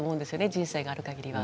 人生があるかぎりは。